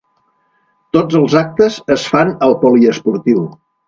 Tots els actes es fan al poliesportiu.